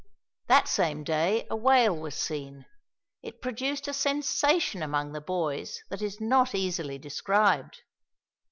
That same day a whale was seen. It produced a sensation among the boys that is not easily described.